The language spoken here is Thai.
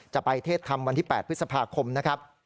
จะไปเทศธรรมวันที่๘พฤษภาคมนะครับ